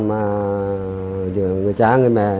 mà giữa người cha người mẹ